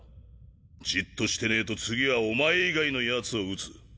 じっとしてねえと次はお前以外のヤツを撃つ。